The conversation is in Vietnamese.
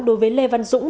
đối với lê văn dũng